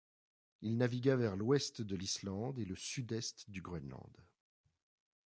Il navigua vers l'ouest de l'Islande et le sud-est du Groenland.